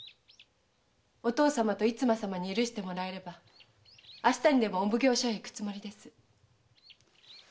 お父様と逸馬様に許してもらえれば明日にでもお奉行所に行くつもりです。